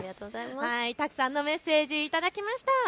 たくさんのメッセージ頂きました。